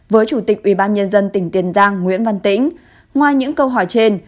với chủ tịch ubnd tỉnh tiền giang nguyễn văn tĩnh ngoài những câu hỏi trên